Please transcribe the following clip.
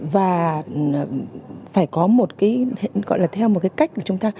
và phải có một cái gọi là theo một cái cách mà chúng ta